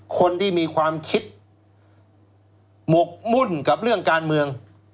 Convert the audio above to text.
คนที่มีความคิดหมกมุ่นกับเรื่องการเมือง